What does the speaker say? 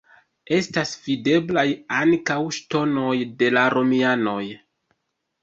Estas videblaj ankaŭ ŝtonoj de la romianoj.